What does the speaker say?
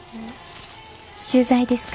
取材ですか？